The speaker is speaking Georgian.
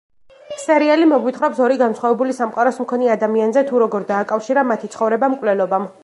სერიალი მოგვითხრობს ორი განსხავებული სამყაროს მქონე ადამიანზე, თუ როგორ დააკავშირა მათი ცხოვრება მკვლელობამ.